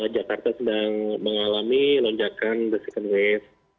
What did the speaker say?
jakarta sedang mengalami lonjakan the second wave